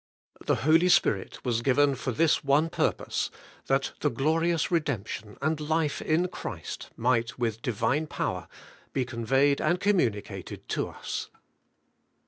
The Holy Spirit was given for this one pur pose, — that the glorious redemption and life in Christ might with Divine power le conveyed and communicated to us.